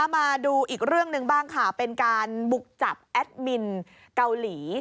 มาดูอีกเรื่องหนึ่งบ้างค่ะเป็นการบุกจับแอดมินเกาหลี